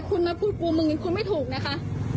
คุณมาพูดกูมึงคุณไม่ถูกนะคะ